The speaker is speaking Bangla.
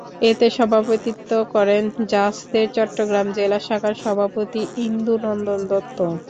এতে সভাপতিত্ব করেন জাসদের চট্টগ্রাম জেলা শাখার সভাপতি ইন্দু নন্দন দত্ত।